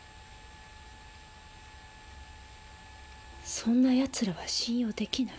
そんなヤツらは信用できない。